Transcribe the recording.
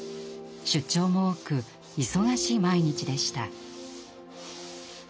出張も多く忙しい毎日でした。